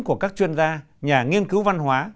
của các chuyên gia nhà nghiên cứu văn hóa